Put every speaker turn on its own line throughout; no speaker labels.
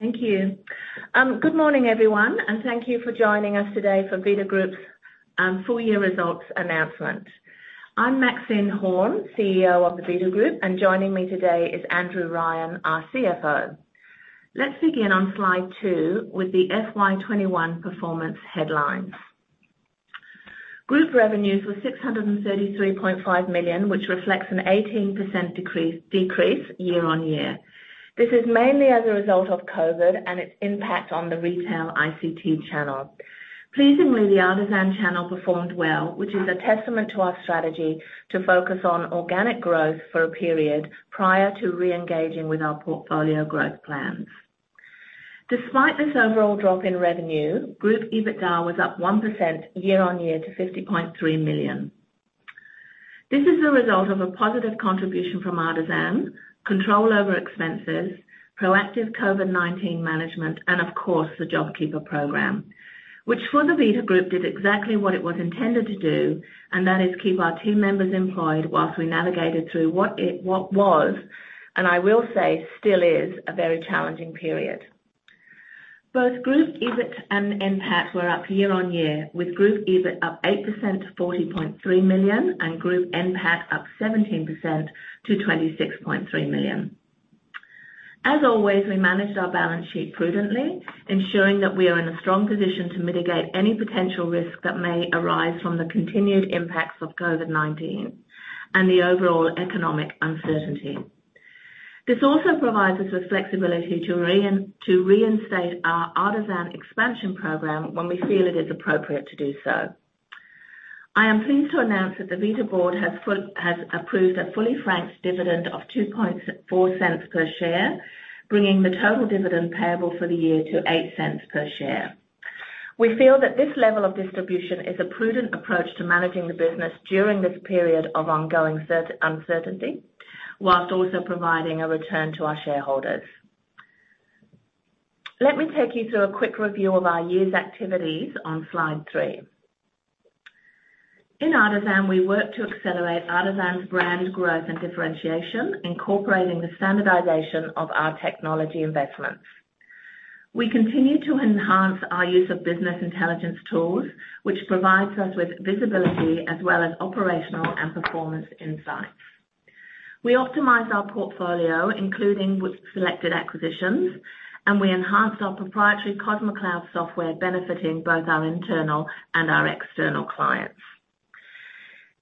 Thank you. Good morning, everyone, and thank you for joining us today for Vita Group's full year results announcement. I'm Maxine Horne, CEO of the Vita Group, and joining me today is Andrew Ryan, our CFO. Let's begin on slide two with the FY 2021 performance headlines. Group revenues were 633.5 million, which reflects an 18% decrease year-on-year. This is mainly as a result of COVID-19 and its impact on the retail ICT channel. Pleasingly, the Artisan channel performed well, which is a testament to our strategy to focus on organic growth for a period, prior to re-engaging with our portfolio growth plans. Despite this overall drop in revenue, group EBITDA was up 1% year-on-year to 50.3 million. This is a result of a positive contribution from Artisan, control over expenses, proactive COVID-19 management, and of course, the JobKeeper program. Which for the Vita Group, did exactly what it was intended to do, and that is keep our team members employed while we navigated through what was, and I will say, still is a very challenging period. Both group EBIT and NPAT were up year-on-year, with group EBIT up 8% to 40.3 million, and group NPAT up 17% to 26.3 million. As always, we managed our balance sheet prudently, ensuring that we are in a strong position to mitigate any potential risk that may arise from the continued impacts of COVID-19 and the overall economic uncertainty. This also provides us with flexibility to reinstate our Artisan expansion program when we feel it is appropriate to do so. I am pleased to announce that the Vita board has approved a fully franked dividend of 0.024 per share, bringing the total dividend payable for the year to 0.08 per share. We feel that this level of distribution is a prudent approach to managing the business during this period of ongoing uncertainty, whilst also providing a return to our shareholders. Let me take you through a quick review of our year's activities on slide three. In Artisan, we worked to accelerate Artisan's brand growth and differentiation, incorporating the standardization of our technology investments. We continued to enhance our use of business intelligence tools, which provides us with visibility as well as operational and performance insights. We optimized our portfolio, including with selected acquisitions, and we enhanced our proprietary CosMed Cloud software, benefiting both our internal and our external clients.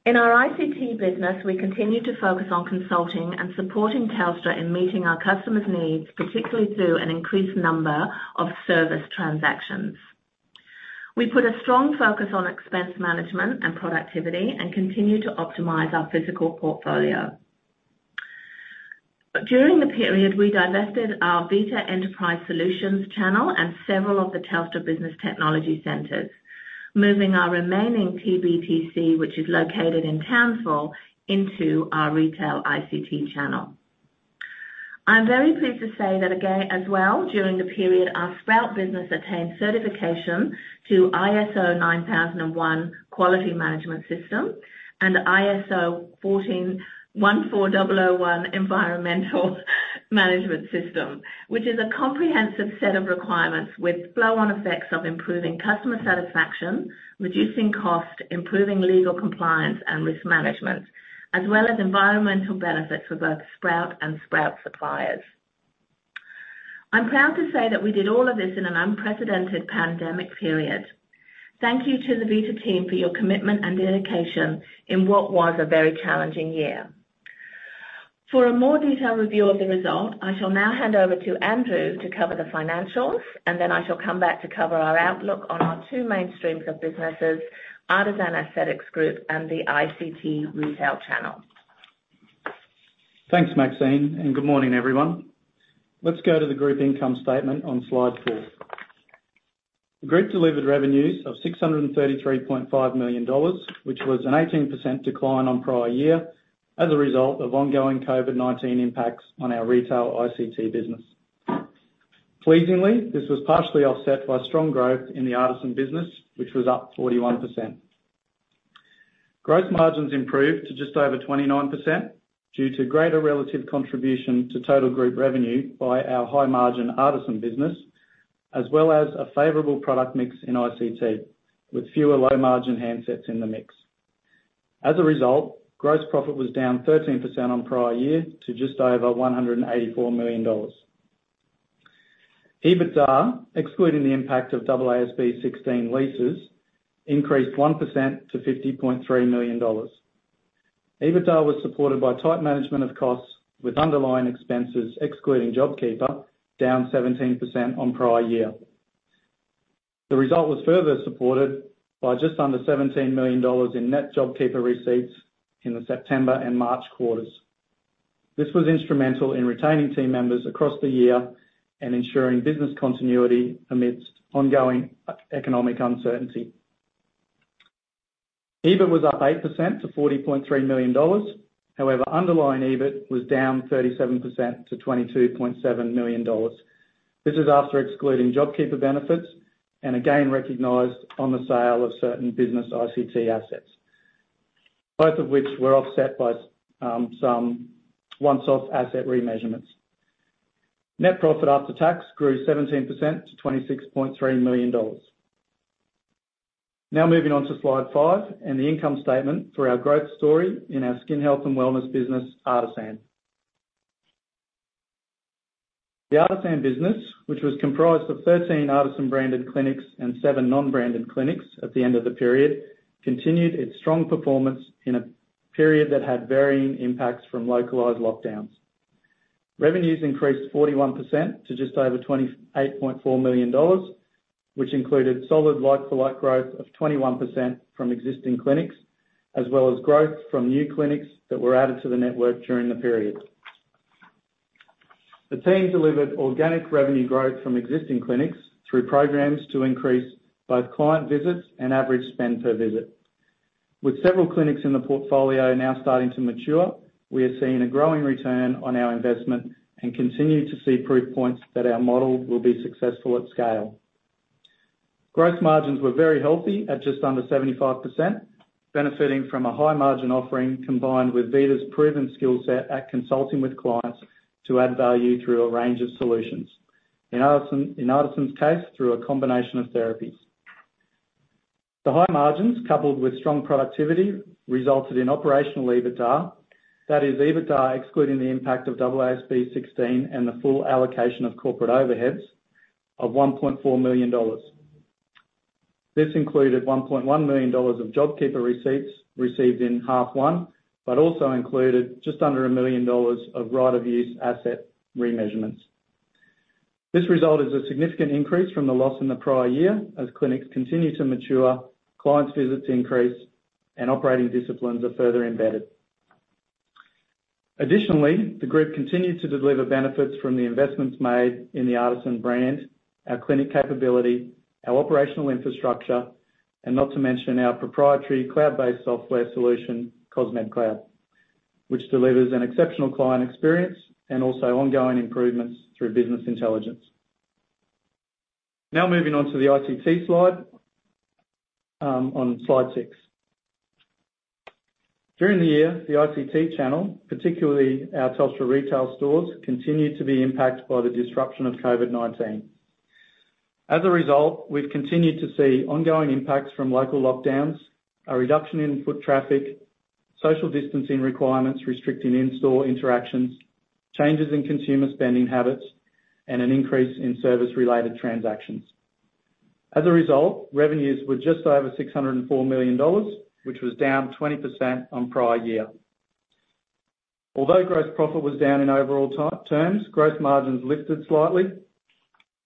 In our ICT business, we continued to focus on consulting and supporting Telstra in meeting our customers' needs, particularly through an increased number of service transactions. We put a strong focus on expense management and productivity and continued to optimize our physical portfolio. During the period, we divested our Vita Enterprise Solutions channel and several of the Telstra Business Technology Centres, moving our remaining TBTC, which is located in Townsville, into our retail ICT channel. I'm very pleased to say that again, as well, during the period, our Sprout business attained certification to ISO 9001 quality management system and ISO 14001 environmental management system. Which is a comprehensive set of requirements with flow-on effects of improving customer satisfaction, reducing cost, improving legal compliance, and risk management, as well as environmental benefits for both Sprout and Sprout suppliers. I'm proud to say that we did all of this in an unprecedented pandemic period. Thank you to the Vita team for your commitment and dedication in what was a very challenging year. For a more detailed review of the result, I shall now hand over to Andrew to cover the financials, and then I shall come back to cover our outlook on our two main streams of businesses, Artisan Aesthetics Group and the ICT retail channel.
Thanks, Maxine. Good morning, everyone. Let's go to the group income statement on slide four. The group delivered revenues of 633.5 million dollars, which was an 18% decline on prior year as a result of ongoing COVID-19 impacts on our retail ICT business. Pleasingly, this was partially offset by strong growth in the Artisan business, which was up 41%. Gross margins improved to just over 29% due to greater relative contribution to total group revenue by our high-margin Artisan business, as well as a favorable product mix in ICT, with fewer low-margin handsets in the mix. As a result, gross profit was down 13% on prior year to just over 184 million dollars. EBITDA, excluding the impact of AASB 16 leases, increased 1% to 50.3 million dollars. EBITDA was supported by tight management of costs, with underlying expenses excluding JobKeeper, down 17% on prior year. The result was further supported by just under 17 million dollars in net JobKeeper receipts in the September and March quarters. This was instrumental in retaining team members across the year and ensuring business continuity amidst ongoing economic uncertainty. EBIT was up 8% to 40.3 million dollars. Underlying EBIT was down 37% to 22.7 million dollars. This is after excluding JobKeeper benefits and a gain recognized on the sale of certain business ICT assets, both of which were offset by some one-off asset remeasurements. Net profit after tax grew 17% to 26.3 million dollars. Moving on to slide five and the income statement for our growth story in our skin health and wellness business, Artisan. The Artisan business, which was comprised of 13 Artisan-branded clinics and seven non-branded clinics at the end of the period, continued its strong performance in a period that had varying impacts from localized lockdowns. Revenues increased 41% to just over 28.4 million dollars, which included solid like-for-like growth of 21% from existing clinics, as well as growth from new clinics that were added to the network during the period. The team delivered organic revenue growth from existing clinics through programs to increase both client visits and average spend per visit. With several clinics in the portfolio now starting to mature, we are seeing a growing return on our investment and continue to see proof points that our model will be successful at scale. Gross margins were very healthy at just under 75%, benefiting from a high margin offering combined with Vita's proven skill set at consulting with clients to add value through a range of solutions. In Artisan's case, through a combination of therapies. The high margins, coupled with strong productivity, resulted in operational EBITDA, that is EBITDA excluding the impact of AASB 16 and the full allocation of corporate overheads, of 1.4 million dollars. This included 1.1 million dollars of JobKeeper receipts received in half one, but also included just under 1 million dollars of right of use asset remeasurements. This result is a significant increase from the loss in the prior year as clinics continue to mature, clients' visits increase, and operating disciplines are further embedded. Additionally, the group continued to deliver benefits from the investments made in the Artisan brand, our clinic capability, our operational infrastructure, and not to mention our proprietary cloud-based software solution, CosMed Cloud, which delivers an exceptional client experience and also ongoing improvements through business intelligence. Moving on to the ICT slide, on slide six. During the year, the ICT channel, particularly our Telstra retail stores, continued to be impacted by the disruption of COVID-19. As a result, we've continued to see ongoing impacts from local lockdowns, a reduction in foot traffic, social distancing requirements restricting in-store interactions, changes in consumer spending habits, and an increase in service-related transactions. As a result, revenues were just over 604 million dollars, which was down 20% on prior year. Although gross profit was down in overall terms, gross margins lifted slightly,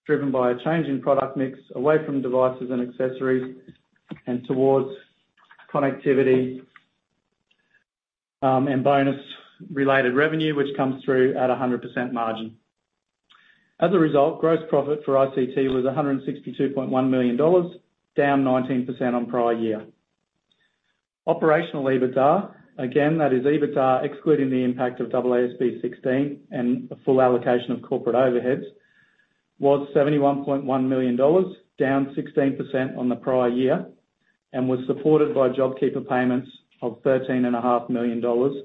driven by a change in product mix away from devices and accessories and towards connectivity, and bonus related revenue, which comes through at 100% margin. As a result, gross profit for ICT was 162.1 million dollars, down 19% on prior year. Operational EBITDA, again, that is EBITDA excluding the impact of AASB 16 and the full allocation of corporate overheads, was 71.1 million dollars, down 16% on the prior year, and was supported by JobKeeper payments of 13.5 million dollars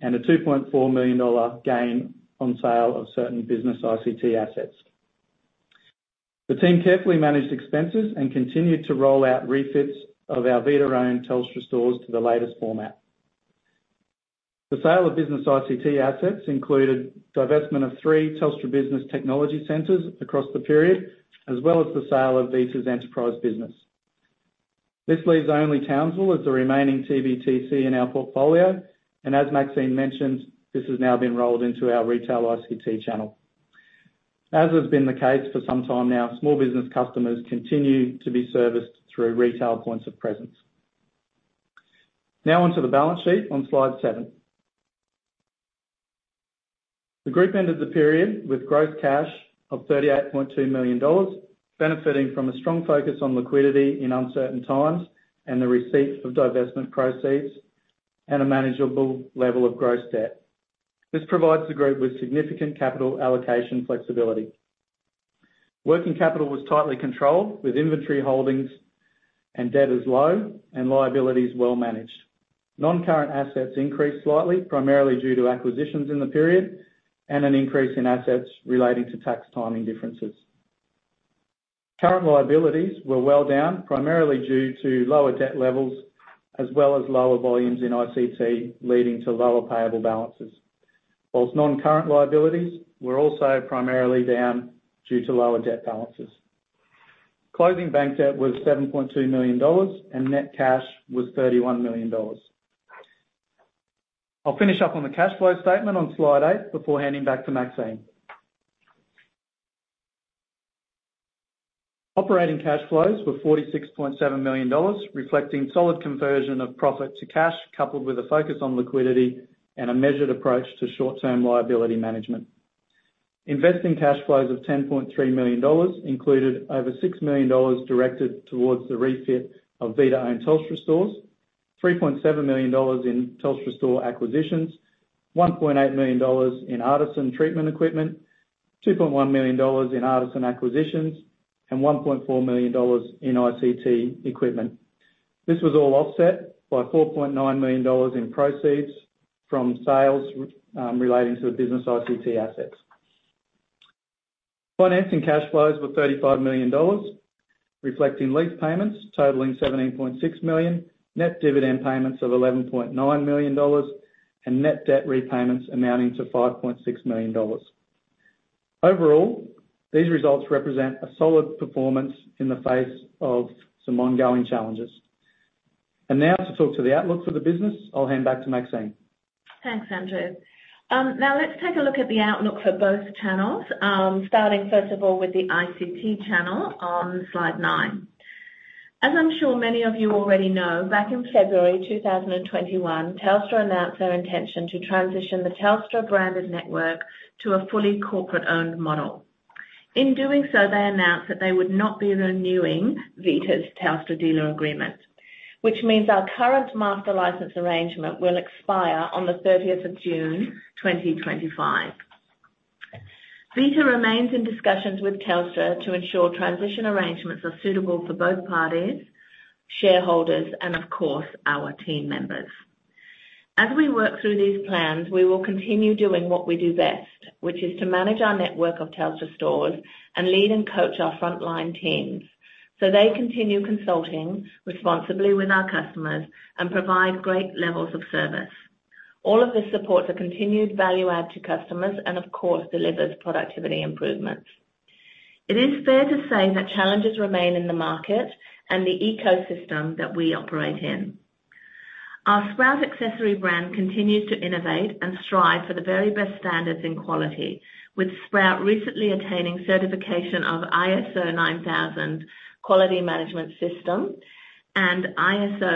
and a 2.4 million dollar gain on sale of certain business ICT assets. The team carefully managed expenses and continued to roll out refits of our Vita-owned Telstra stores to the latest format. The sale of business ICT assets included divestment of three Telstra Business Technology Centres across the period, as well as the sale of Vita's enterprise business. This leaves only Townsville as the remaining TBTC in our portfolio, and as Maxine mentioned, this has now been rolled into our retail ICT channel. As has been the case for some time now, small business customers continue to be serviced through retail points of presence. On to the balance sheet on slide seven. The group ended the period with gross cash of 38.2 million dollars, benefiting from a strong focus on liquidity in uncertain times and the receipt of divestment proceeds and a manageable level of gross debt. This provides the group with significant capital allocation flexibility. Working capital was tightly controlled with inventory holdings and debt is low and liabilities well managed. Non-current assets increased slightly, primarily due to acquisitions in the period and an increase in assets relating to tax timing differences. Current liabilities were well down, primarily due to lower debt levels, as well as lower volumes in ICT, leading to lower payable balances. Non-current liabilities were also primarily down due to lower debt balances. Closing bank debt was 7.2 million dollars, and net cash was 31 million dollars. I'll finish up on the cash flow statement on slide eight before handing back to Maxine. Operating cash flows were 46.7 million dollars, reflecting solid conversion of profit to cash, coupled with a focus on liquidity and a measured approach to short-term liability management. Investing cash flows of 10.3 million dollars included over 6 million dollars directed towards the refit of Vita-owned Telstra stores, 3.7 million dollars in Telstra store acquisitions, 1.8 million dollars in Artisan treatment equipment, 2.1 million dollars in Artisan acquisitions, and 1.4 million dollars in ICT equipment. This was all offset by 4.9 million dollars in proceeds from sales relating to the business ICT assets. Financing cash flows were AUD 35 million, reflecting lease payments totaling AUD 17.6 million, net dividend payments of AUD 11.9 million, and net debt repayments amounting to AUD 5.6 million. Overall, these results represent a solid performance in the face of some ongoing challenges. Now to talk to the outlook for the business, I'll hand back to Maxine.
Thanks, Andrew. Now let's take a look at the outlook for both channels, starting first of all, with the ICT channel on slide nine. As I'm sure many of you already know, back in February 2021, Telstra announced their intention to transition the Telstra branded network to a fully corporate-owned model. In doing so, they announced that they would not be renewing Vita's Telstra dealer agreement, which means our current master license arrangement will expire on the June 30th, 2025. Vita remains in discussions with Telstra to ensure transition arrangements are suitable for both parties, shareholders, and of course, our team members. As we work through these plans, we will continue doing what we do best, which is to manage our network of Telstra stores and lead and coach our frontline teams, so they continue consulting responsibly with our customers and provide great levels of service. All of this supports a continued value add to customers, and of course, delivers productivity improvements. It is fair to say that challenges remain in the market and the ecosystem that we operate in. Our Sprout accessory brand continues to innovate and strive for the very best standards in quality, with Sprout recently attaining certification of ISO 9001 quality management system and ISO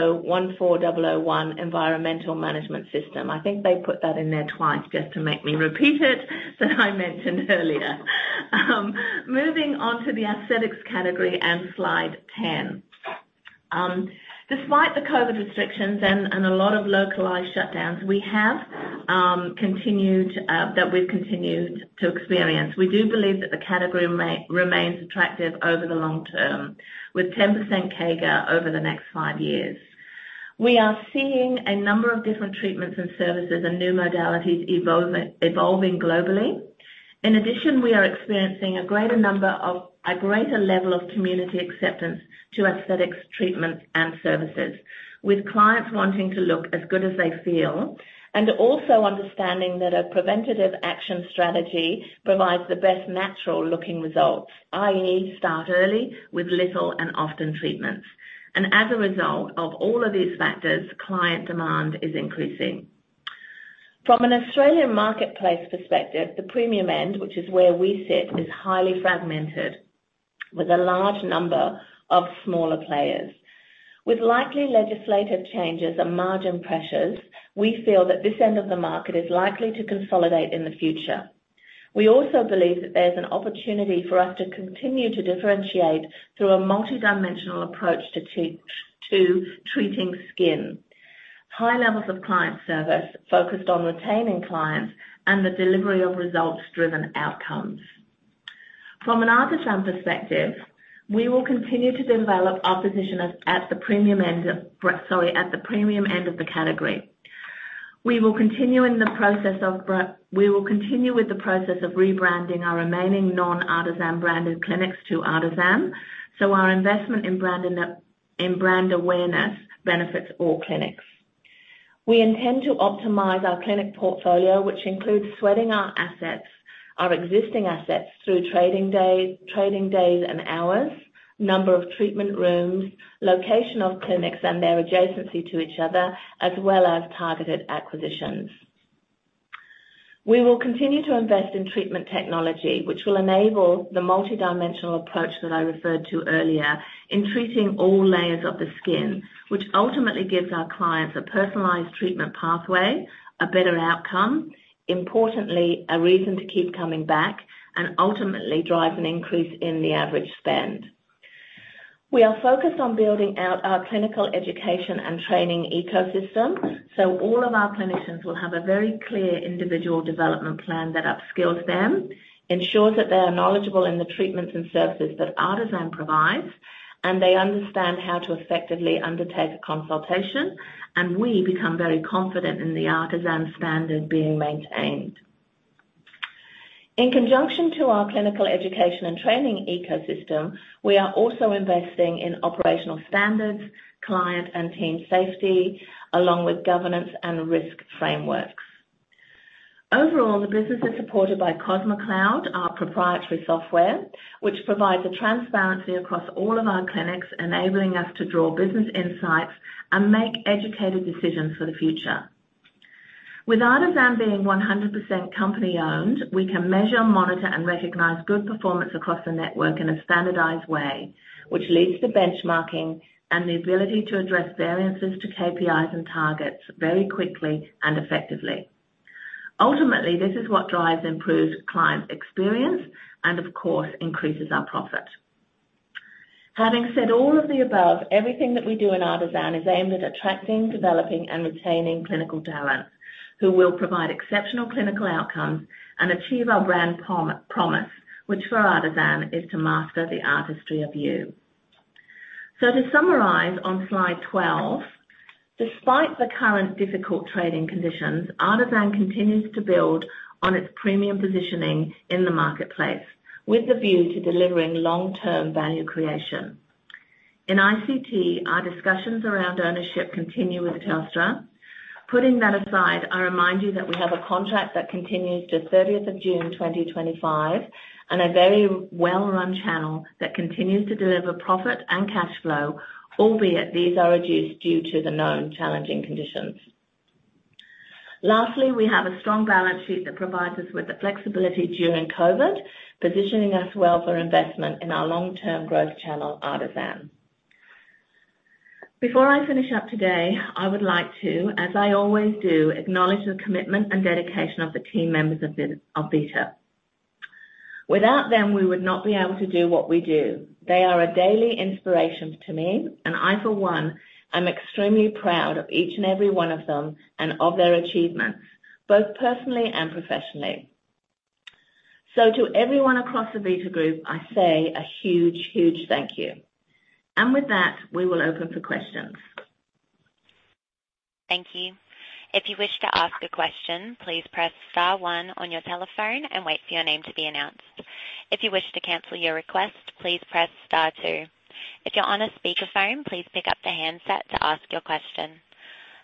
14001 environmental management system. I think they put that in there twice just to make me repeat it, that I mentioned earlier. Moving on to the aesthetics category and slide 10. Despite the COVID-19 restrictions and a lot of localized shutdowns that we've continued to experience, we do believe that the category remains attractive over the long term, with 10% CAGR over the next five years. We are seeing a number of different treatments and services and new modalities evolving globally. In addition, we are experiencing a greater level of community acceptance to aesthetics treatments and services, with clients wanting to look as good as they feel, and also understanding that a preventative action strategy provides the best natural-looking results, i.e., start early with little and often treatments. As a result of all of these factors, client demand is increasing. From an Australian marketplace perspective, the premium end, which is where we sit, is highly fragmented with a large number of smaller players. With likely legislative changes and margin pressures, we feel that this end of the market is likely to consolidate in the future. We also believe that there's an opportunity for us to continue to differentiate through a multidimensional approach to treating skin. High levels of client service focused on retaining clients and the delivery of results-driven outcomes. From an Artisan perspective, we will continue to develop our position at the premium end of the category. We will continue with the process of rebranding our remaining non-Artisan branded clinics to Artisan. Our investment in brand awareness benefits all clinics. We intend to optimize our clinic portfolio, which includes sweating our assets, our existing assets, through trading days and hours, number of treatment rooms, location of clinics, and their adjacency to each other, as well as targeted acquisitions. We will continue to invest in treatment technology, which will enable the multidimensional approach that I referred to earlier in treating all layers of the skin, which ultimately gives our clients a personalized treatment pathway, a better outcome, importantly, a reason to keep coming back, and ultimately drive an increase in the average spend. We are focused on building out our clinical education and training ecosystem, so all of our clinicians will have a very clear individual development plan that upskills them, ensures that they are knowledgeable in the treatments and services that Artisan provides, and they understand how to effectively undertake a consultation, and we become very confident in the Artisan standard being maintained. In conjunction to our clinical education and training ecosystem, we are also investing in operational standards, client and team safety, along with governance and risk frameworks. Overall, the business is supported by CosMed Cloud, our proprietary software, which provides a transparency across all of our clinics, enabling us to draw business insights and make educated decisions for the future. With Artisan being 100% company-owned, we can measure, monitor, and recognize good performance across the network in a standardized way, which leads to benchmarking and the ability to address variances to KPIs and targets very quickly and effectively. Ultimately, this is what drives improved client experience and, of course, increases our profit. Having said all of the above, everything that we do in Artisan is aimed at attracting, developing, and retaining clinical talent who will provide exceptional clinical outcomes and achieve our brand promise, which for Artisan, is to master the artistry of you. To summarize on slide 12, despite the current difficult trading conditions, Artisan continues to build on its premium positioning in the marketplace with a view to delivering long-term value creation. In ICT, our discussions around ownership continue with Telstra. Putting that aside, I remind you that we have a contract that continues to June 30th, 2025 and a very well-run channel that continues to deliver profit and cash flow, albeit these are reduced due to the known challenging conditions. Lastly, we have a strong balance sheet that provides us with the flexibility during COVID-19, positioning us well for investment in our long-term growth channel, Artisan. Before I finish up today, I would like to, as I always do, acknowledge the commitment and dedication of the team members of Vita. Without them, we would not be able to do what we do. They are a daily inspiration to me, and I, for one, am extremely proud of each and every one of them and of their achievements, both personally and professionally. To everyone across the Vita Group, I say a huge thank you. With that, we will open for questions.
Thank you. If you wish to ask a question, please press star one on your telephone and wait for your name to be announced. If you wish to cancel your request, please press star two. If you're on a speakerphone, please pick up the handset to ask your question.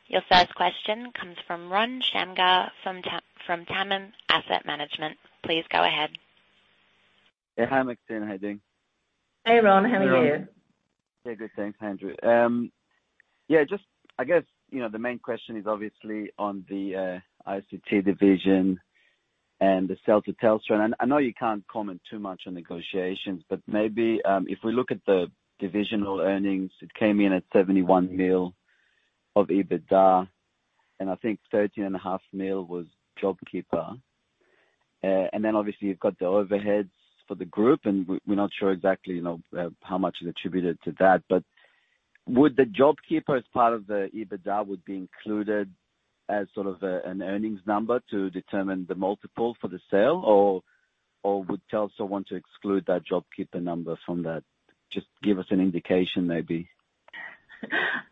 Your first question comes from Ron Shamgar from TAMIM Asset Management. Please go ahead.
Hi, Maxine. How are you doing?
Hey, Ron. How are you?
Hey, good, thanks. How are you doing? Yeah, I guess, the main question is obviously on the ICT division and the sale to Telstra. I know you can't comment too much on negotiations, but maybe if we look at the divisional earnings, it came in at 71 million of EBITDA, and I think 13.5 million was JobKeeper. Then obviously you've got the overheads for the group, and we're not sure exactly how much is attributed to that. Would the JobKeeper, as part of the EBITDA, would be included as sort of an earnings number to determine the multiple for the sale? Would Telstra want to exclude that JobKeeper number from that? Just give us an indication, maybe.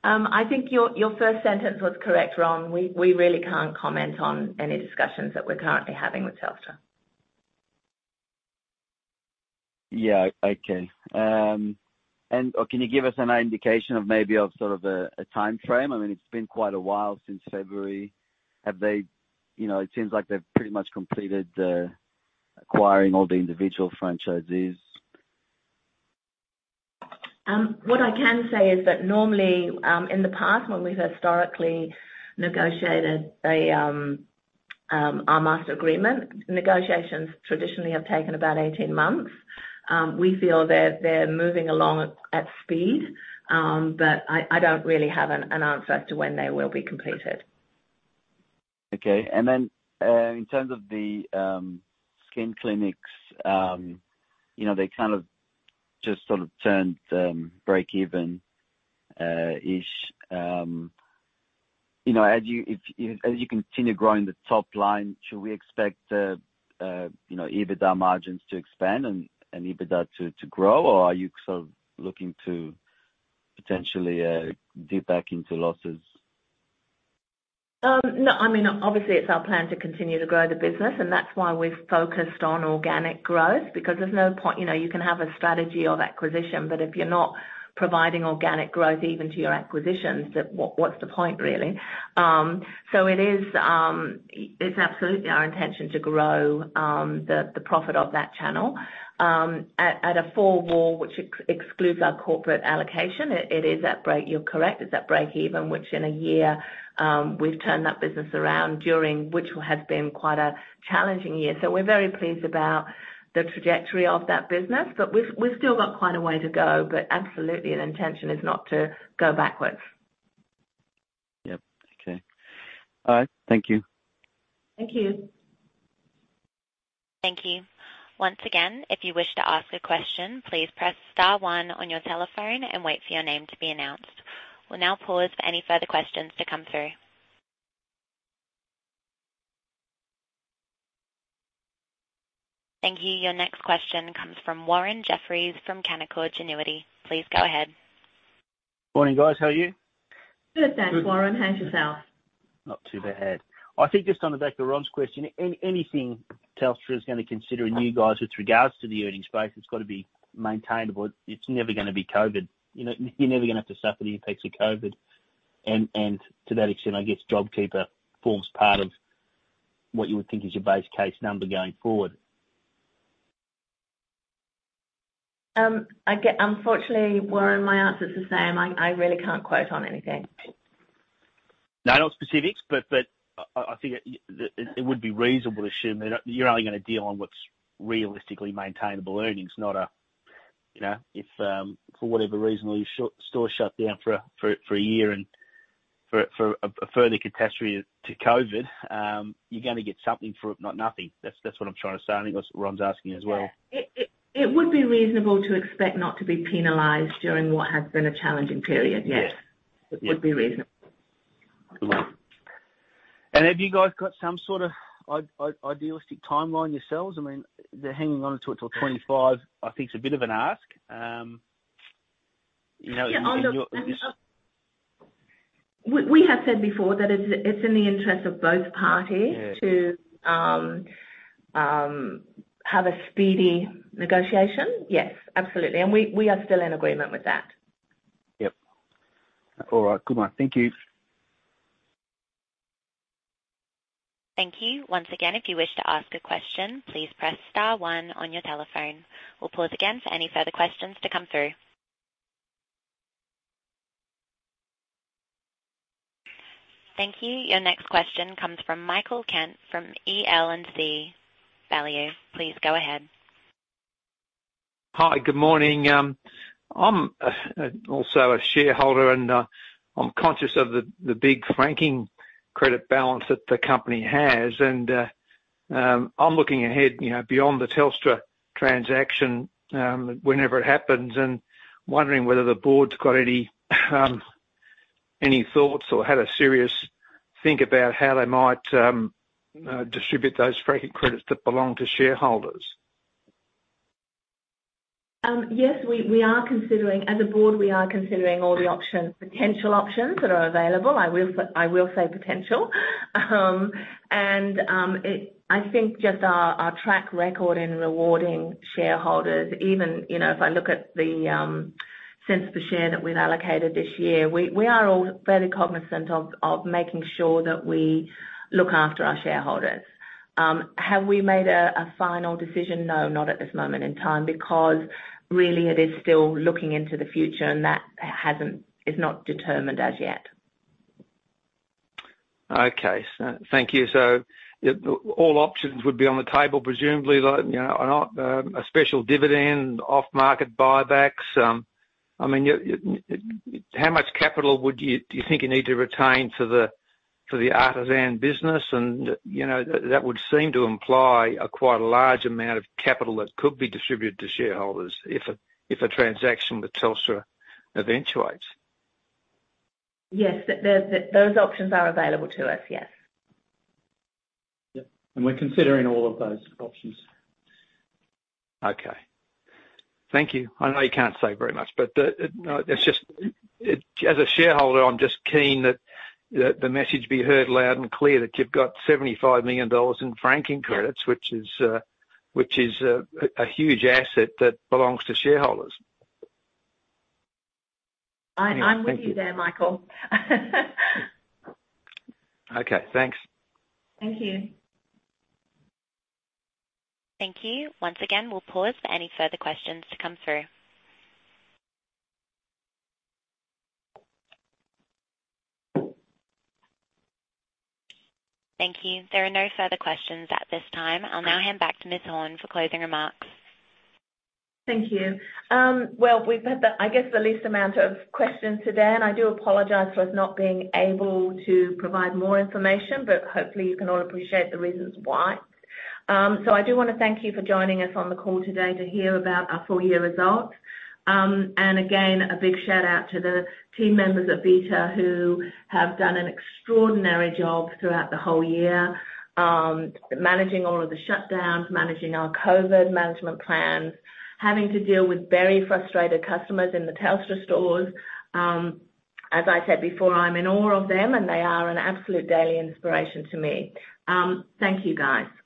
I think your first sentence was correct, Ron. We really can't comment on any discussions that we're currently having with Telstra.
Yeah, okay. Can you give us an indication of maybe of sort of a timeframe? It's been quite a while since February. It seems like they've pretty much completed acquiring all the individual franchisees.
What I can say is that normally, in the past when we've historically negotiated our master agreement, negotiations traditionally have taken about 18 months. We feel that they're moving along at speed. I don't really have an answer as to when they will be completed.
Okay. In terms of the skin clinics, they kind of just sort of turned breakeven-ish. As you continue growing the top line, should we expect the EBITDA margins to expand and EBITDA to grow? Are you sort of looking to potentially dip back into losses?
No. Obviously, it's our plan to continue to grow the business, and that's why we've focused on organic growth, because there's no point. You can have a strategy of acquisition, but if you're not providing organic growth even to your acquisitions, what's the point, really? It is absolutely our intention to grow the profit of that channel. At a four-wall, which excludes our corporate allocation, you're correct, it's at breakeven, which in a year, we've turned that business around during, which has been quite a challenging year. We're very pleased about the trajectory of that business. We've still got quite a way to go, but absolutely an intention is not to go backwards.
Yep. Okay. All right. Thank you.
Thank you.
Thank you. Once again, if you wish to ask a question, please press star one on your telephone and wait for your name to be announced. We will now pause for any further questions to come through. Thank you. Your next question comes from Warren Jeffries from Canaccord Genuity. Please go ahead.
Morning, guys. How are you?
Good, thanks, Warren. How's yourself?
Not too bad. I think just on the back of Ron's question, anything Telstra is going to consider in you guys with regards to the earnings base, it's got to be maintainable. It's never going to be COVID. You're never going to have to suffer the impacts of COVID. To that extent, I guess JobKeeper forms part of what you would think is your base case number going forward.
Unfortunately, Warren, my answer's the same. I really can't quote on anything.
No, not specifics, but I think it would be reasonable to assume that you're only going to deal on what's realistically maintainable earnings, not if for whatever reason your store shut down for a year For a further catastrophe to COVID, you're going to get something for it, not nothing. That's what I'm trying to say. I think that's what Ron's asking as well.
It would be reasonable to expect not to be penalized during what has been a challenging period. Yes.
Yeah.
It would be reasonable.
Good one. Have you guys got some sort of idealistic timeline yourselves? They're hanging onto it till 2025, I think is a bit of an ask.
Yeah, look, we have said before that it's in the interest of both parties-
Yeah
to have a speedy negotiation. Yes, absolutely. We are still in agreement with that.
Yep. All right. Good one. Thank you.
Your next question comes from Michael Kent from EL&C Baillieu. Please go ahead.
Hi, good morning. I'm also a shareholder, and I'm conscious of the big franking credit balance that the company has. I'm looking ahead, beyond the Telstra transaction, whenever it happens, and wondering whether the board's got any thoughts or had a serious think about how they might distribute those franking credits that belong to shareholders.
Yes, as a board, we are considering all the potential options that are available. I will say potential. I think just our track record in rewarding shareholders, even if I look at the cents per share that we've allocated this year, we are all fairly cognizant of making sure that we look after our shareholders. Have we made a final decision? No, not at this moment in time, because really it is still looking into the future, and that is not determined as yet.
Okay. Thank you. All options would be on the table, presumably, like, a special dividend, off-market buybacks. How much capital do you think you need to retain for the Artisan business and, that would seem to imply quite a large amount of capital that could be distributed to shareholders if a transaction with Telstra eventuates?
Yes. Those options are available to us, yes.
Yep. We're considering all of those options.
Okay. Thank you. I know you can't say very much, but, as a shareholder, I'm just keen that the message be heard loud and clear that you've got 75 million dollars in franking credits-
Yeah
which is a huge asset that belongs to shareholders.
I'm with you there, Michael.
Okay. Thanks.
Thank you.
Thank you. Once again, we'll pause for any further questions to come through. Thank you. There are no further questions at this time. I'll now hand back to Ms. Maxine Horne for closing remarks.
Thank you. Well, we've had the least amount of questions today, and I do apologize for us not being able to provide more information, but hopefully you can all appreciate the reasons why. I do want to thank you for joining us on the call today to hear about our full-year results. Again, a big shout-out to the team members at Vita who have done an extraordinary job throughout the whole year, managing all of the shutdowns, managing our COVID-19 management plans, having to deal with very frustrated customers in the Telstra stores. As I said before, I'm in awe of them, and they are an absolute daily inspiration to me. Thank you, guys.